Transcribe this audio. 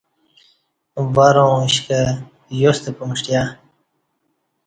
ورں اُش کہ یاستہ پمݜٹیہ